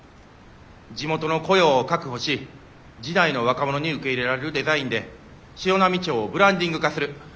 地元の雇用を確保し次代の若者に受け入れられるデザインで潮波町をブランディング化する。